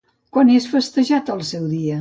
Quan és festejat el seu dia?